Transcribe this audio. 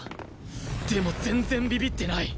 でも全然ビビってない